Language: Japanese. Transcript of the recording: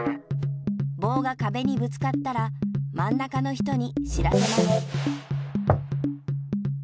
ぼうがかべにぶつかったらまん中の人に知らせます。